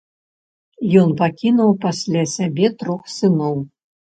Ён пакінуў пасля сябе трох сыноў.